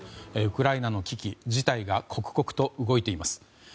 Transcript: ウクライナの危機事態が刻々と動いています。